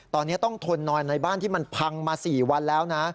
ตอนนี้ต้องทนนอนในบ้านที่มันพังมา๔วันแล้วนะ